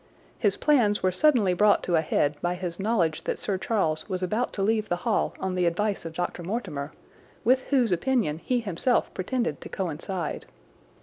His plans were suddenly brought to a head by his knowledge that Sir Charles was about to leave the Hall on the advice of Dr. Mortimer, with whose opinion he himself pretended to coincide.